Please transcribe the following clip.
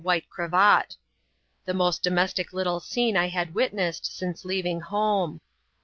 IcEMSf.'U. cravat ;— the most domestic little scene I had witnessed since leaving home.